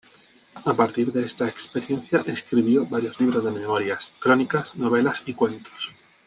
A partir de esta experiencia escribió varios libros de memorias, crónicas, novelas y cuentos.